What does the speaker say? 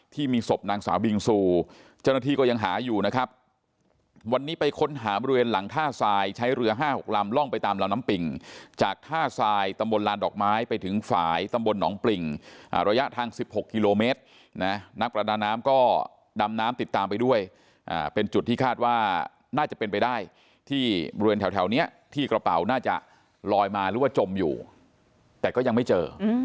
ที่มีศพนางสาวบิงซูเจ้าหน้าที่ก็ยังหาอยู่นะครับวันนี้ไปค้นหาบริเวณหลังท่าทรายใช้เรือ๕๖ลำล่องไปตามลำน้ำปิ่งจากท่าทรายตำบลลานดอกไม้ไปถึงฝ่ายตำบลหนองปริงระยะทาง๑๖กิโลเมตรนะนักประดาน้ำก็ดำน้ำติดตามไปด้วยเป็นจุดที่คาดว่าน่าจะเป็นไปได้ที่บริเวณแถวนี้ที่กระเป๋าน่าจะลอยมาหรือว่าจมอยู่แต่ก็ยังไม่เจอ